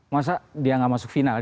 masa dia nggak masuk final